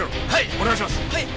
お願いします。